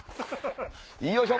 よいしょ！